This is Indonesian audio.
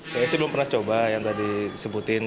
saya sih belum pernah coba yang tadi sebutin